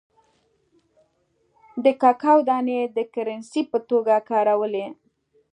د ککو دانې د کرنسۍ په توګه کارولې.